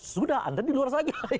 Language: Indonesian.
sudah anda diluar saja